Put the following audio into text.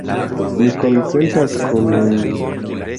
Mi konsentas kun...